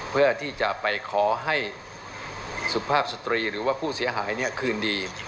เพื่อที่จะไปขอให้สุภาพสตรีหรือว่าผู้เสียหายคืนดี